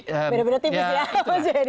beda beda tipis ya